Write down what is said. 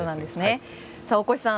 大越さん